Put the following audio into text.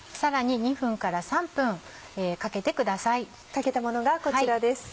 かけたものがこちらです。